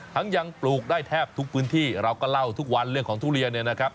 ยังปลูกได้แทบทุกพื้นที่เราก็เล่าทุกวันเรื่องของทุเรียนเนี่ยนะครับ